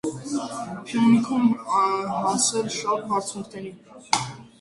«Փյունիկ»ում հասել շատ բարձունքների։